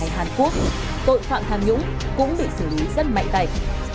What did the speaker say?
hàn quốc tội phạm tham nhũng cũng bị xử lý rất mạnh tay